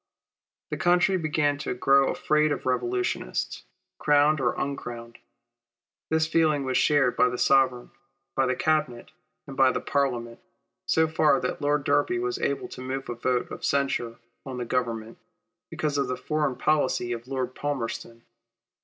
The country began to grow afraid of revolutionists, crowned or" uncrowned. This feeling was shared by the Sovereign, by the Cabinet, and by the Parliament, so far that Lord Derby was able to move a vote of censure on the Government, because of the foreign policy of Lord Palmerston.